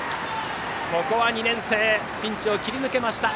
ここは２年生ピンチを切り抜けました！